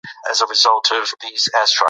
افغانستان د اوښ په برخه کې نړیوال شهرت لري.